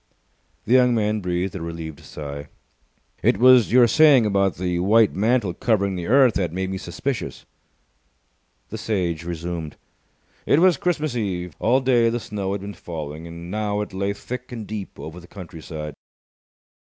The young man breathed a relieved sigh. "It was your saying that about the white mantle covering the earth that made me suspicious." The Sage resumed. It was Christmas Eve. All day the snow had been falling, and now it lay thick and deep over the countryside.